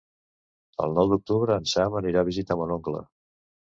El nou d'octubre en Sam anirà a visitar mon oncle.